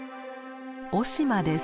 雄島です。